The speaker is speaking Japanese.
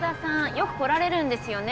よく来られるんですよね